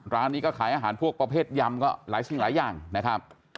ร้านนี้ก็ขายอาหารพวกประเภทยำก็หลายสิ่งหลายอย่างนะครับ